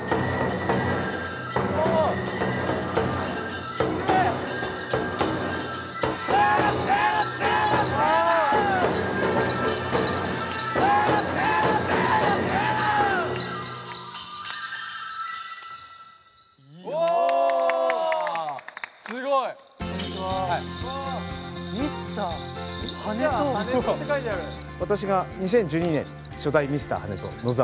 私が２０１２年初代ミスター跳人野澤と申します。